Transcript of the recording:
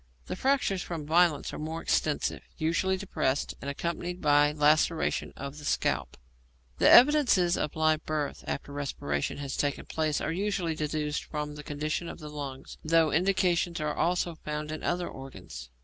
The fractures from violence are more extensive, usually depressed, and accompanied by laceration of the scalp. The evidences of live birth after respiration has taken place are usually deduced from the condition of the lungs, though indications are also found in other organs.